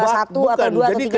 satu atau dua atau tiga